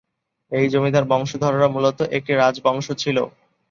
এই জমিদার বংশধররা মূলত একটি রাজবংশ ছিল।